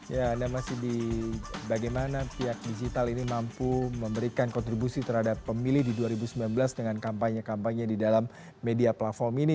ya anda masih di bagaimana pihak digital ini mampu memberikan kontribusi terhadap pemilih di dua ribu sembilan belas dengan kampanye kampanye di dalam media platform ini